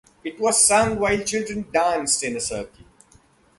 It was sung while children danced in a circle.